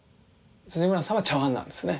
辻村さんは茶碗なんですね。